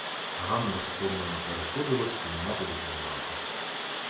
Ганна стомлено переходила з кімнати до кімнати.